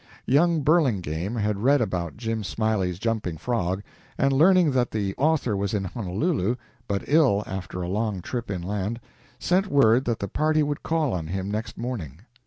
Young Burlingame had read about Jim Smiley's jumping frog and, learning that the author was in Honolulu, but ill after a long trip inland, sent word that the party would call on him next morning.